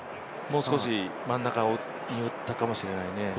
もう少し真ん中に打ったかもしれないね。